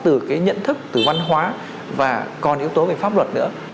nó xuất phát từ cái nhận thức từ văn hóa và còn yếu tố về pháp luật nữa